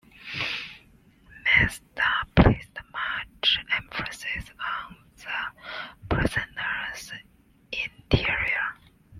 Mazda placed much emphasis on the Persona's interior.